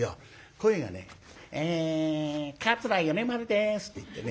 声がね「え桂米丸です」って言ってね。